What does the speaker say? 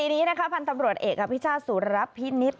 เป็นอย่างไรเล่าให้ฟัง